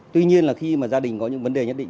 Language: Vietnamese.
tuy nhiên là khi mà gia đình có những vấn đề nhất định